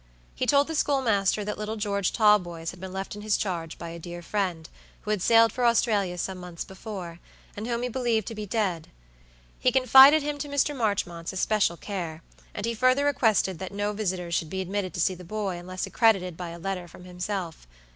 He told the schoolmaster that little George Talboys had been left in his charge by a dear friend, who had sailed for Australia some months before, and whom he believed to be dead. He confided him to Mr. Marchmont's especial care, and he further requested that no visitors should be admitted to see the boy unless accredited by a letter from himself.